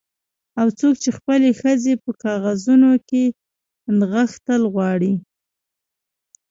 او څوک چې خپلې ښځې په کاغذونو کې نغښتل غواړي